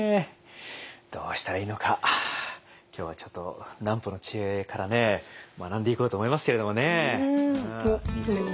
どうしたらいいのか今日はちょっと南畝の知恵からね学んでいこうと思いますけれどもね。